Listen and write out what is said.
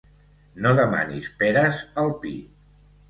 No demanis peres al pi.